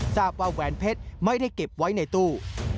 ทราบว่าแหวนเพชรไม่ได้เก็บไว้ในตู้